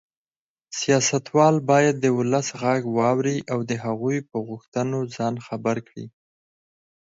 سیاستوال باید د ولس غږ واوري او د هغوی په غوښتنو ځان خبر کړي.